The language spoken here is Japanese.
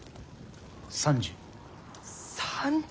３０。